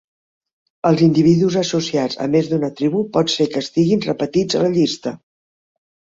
Els individus associats a més d'una tribu pot ser que estiguin repetits a la llista.